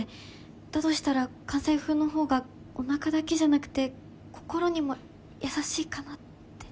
だとしたら関西風の方がおなかだけじゃなくて心にも優しいかなって。